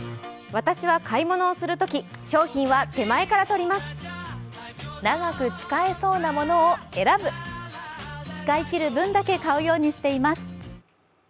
私は買い物するとき商品は手前から取ります長く使えそうなものを選ぶ使い切る分だけ買うようにしています